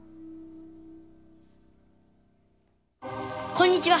こんにちは。